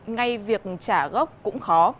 ngay việc trả gốc cũng khó